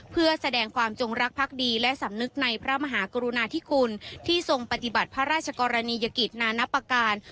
เพื่อแสดงความจงรักภักดีและสำนึกในพระมหากรุณาธิคุณที่ทรงปฏิบัติพระราชกรณียกิจนานับประการ